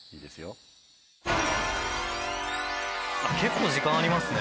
あっ結構時間ありますね。